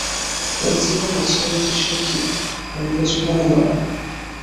এক জীবনে ছেলেটি সুখী-অন্য জীবনে নয়।